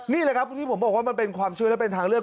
นี่แหละครับที่ผมบอกว่ามันเป็นความเชื่อและเป็นทางเลือก